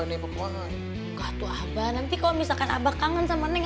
nanti kalau misalkan abah kangen sama neng